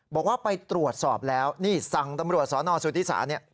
บอกว่าไปตรวจสอบแล้วนี่สั่งตำรวจสนสุธิศาเนี่ย